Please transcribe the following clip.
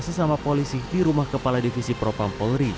sesama polisi di rumah kepala divisi propam polri